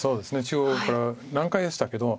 中央から難解でしたけど。